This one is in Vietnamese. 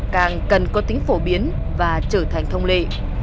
càng cần có tính phổ biến và trở thành thông lệ